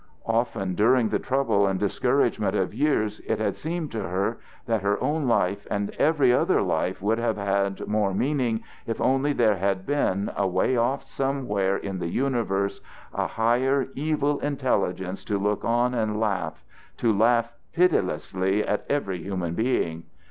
Often during the trouble and discouragement of years it had seemed to her that her own life and every other life would have had more meaning if only there had been, away off somewhere in the universe, a higher evil intelligence to look on and laugh, to laugh pitilessly at every human thing.